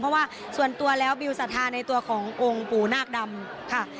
เพราะว่าส่วนตัวแล้วบิวสัทธาในตัวขององค์ปู่นาคดำค่ะ